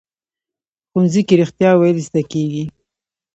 ښوونځی کې رښتیا ویل زده کېږي